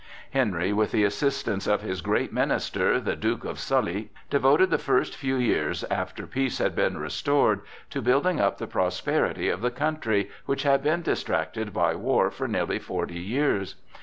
Henry, with the assistance of his great minister, the Duke of Sully, devoted the first few years, after peace had been restored, to building up the prosperity of the country, which had been distracted by war for nearly forty years.